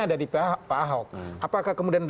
ada di pak ahok apakah kemudian